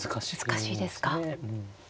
難しいですか。